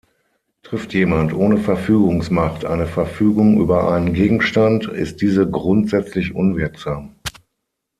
Trifft jemand ohne Verfügungsmacht eine Verfügung über einen Gegenstand, ist diese grundsätzlich unwirksam.